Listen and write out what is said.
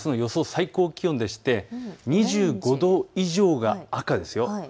最高気温でして２５度以上が赤です。